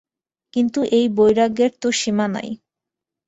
কিন্তু এই বৈরাগ্যের তো সীমা নাই।